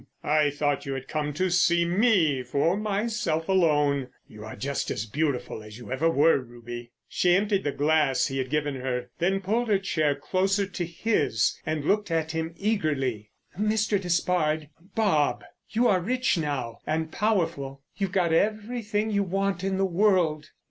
I thought you had come to see me for myself alone. You are just as beautiful as ever you were, Ruby." She emptied the glass he had given her, then pulled her chair closer to his and looked at him eagerly. "Mr. Despard—Bob—you are rich now and powerful. You've got everything you want in the world."